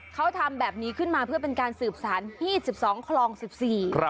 เขาทำแบบนี้ขึ้นมาเพื่อเป็นการสืบสารยี่สิบสองคลองสิบสี่